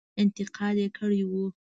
انتقاد کړی وو.